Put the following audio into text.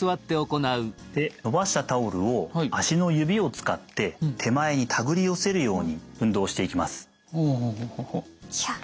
で伸ばしたタオルを足の指を使って手前にたぐり寄せるように運動していきます。